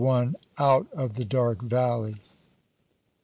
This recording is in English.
OUT OF THE DARK VALLEY.